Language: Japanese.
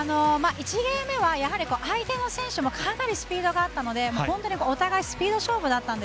１ゲーム目はやはり相手の選手もかなりスピードがあったのでお互い、スピード勝負でした。